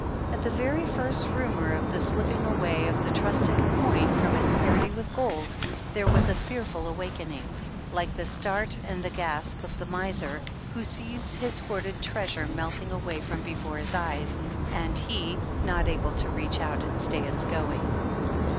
At the very first rumor of the slipping away of this trusted coin from its parity with gold, there was a fearful awakening, like the start and the gasp of the miser who sees his horded treasure melting away from before his eyes, and he not able to reach out and stay its going.